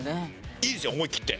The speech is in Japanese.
いいですよ思いきって。